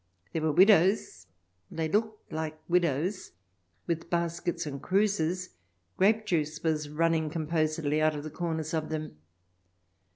There were widows — they looked like widows? — with baskets and cruses; grape juice was running composedly out of the corners of them.